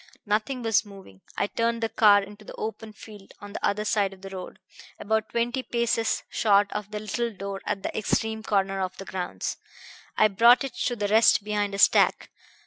Nothing was moving. I turned the car into the open field on the other side of the road, about twenty paces short of the little door at the extreme corner of the grounds. I brought it to rest behind a stack.